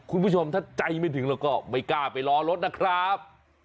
คุณผู้ชมถ้าใจไม่ถึงเราก็ไม่กล้าไปรอรถนะครับ